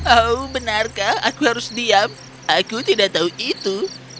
oh benarkah aku harus diam aku tidak tahu itu